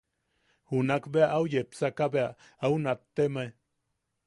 Junak bea au yepsaka bea, au nattemae: